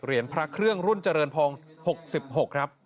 เหรียญพระเครื่องรุ่นเจริญพรอง๖๖ครับ